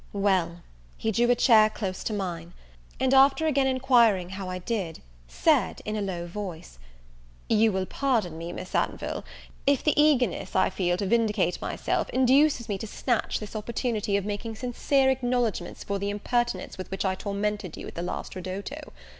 Well, he drew a chair close to mine; and, after again enquiring how I did, said, in a low voice, "You will pardon me, Miss Anville, if the eagerness I feel to vindicate myself, induces me to snatch this opportunity of making sincere acknowledgments for the impertinence with which I tormented you at the last ridotto.